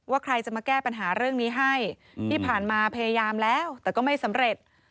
ใครจะมาแก้ปัญหาเรื่องนี้ให้ที่ผ่านมาพยายามแล้วแต่ก็ไม่สำเร็จ